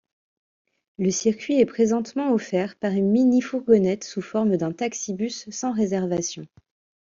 Le circuit est présentement offert par une minifourgonnette sous forme d'un taxibus sans réservation.